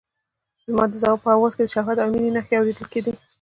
زما د ځواب په آواز کې د شهوت او مينې نښې اورېدل کېدې.